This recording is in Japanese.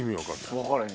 分からへん。